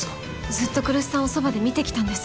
ずっと来栖さんをそばで見てきたんです。